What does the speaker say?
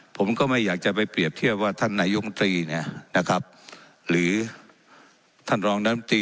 ผมก็ไม่อยากจะไปเปรียบเทียบว่าท่านนายมตรีเนี่ยนะครับหรือท่านรองน้ำตรี